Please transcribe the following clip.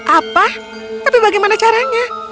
apa tapi bagaimana caranya